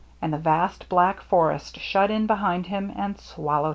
And the vast black forest shut in behind him and swallowed him.